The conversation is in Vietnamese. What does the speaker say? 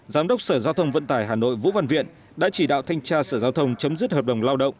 giám đốc sở giao thông vận tải hà nội vũ văn viện đã chỉ đạo thanh tra sở giao thông chấm dứt hợp đồng lao động